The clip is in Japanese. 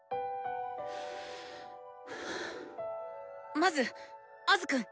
まずアズくん！